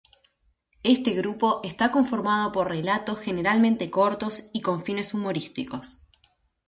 Este grupo está conformado por relatos generalmente cortos y con fines humorísticos.